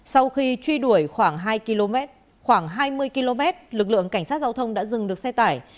sau khi truy đuổi khoảng hai mươi km lực lượng cảnh sát giao thông đã dừng được xe tải